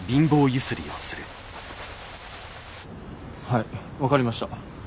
はい分かりました。